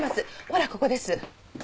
ほらここです。